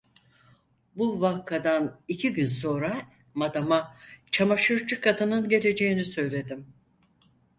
Bu vakadan iki gün sonra madama çamaşırcı kadının geleceğini söyledim.